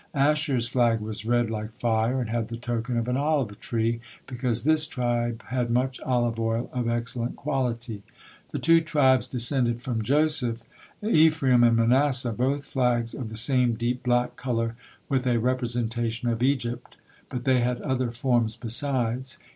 Ashere's flag was red like fire, and had the token of an olive tree, because this tribe had much olive oil of excellent quality. The two tribes descended from Joseph, Ephraim, and Manasseh both flags of the same deep black color with a representation of Egypt, but they had other forms besides.